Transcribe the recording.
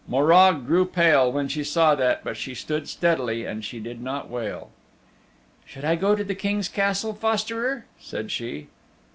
Morag grew pale when she saw that, but she stood steadily and she did not wail. "Should I go to the King's Castle, fosterer?" said she.